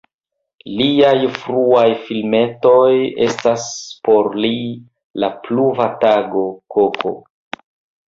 Liaj fruaj filmetoj estas: "Por li", "La pluva tago", "Koko".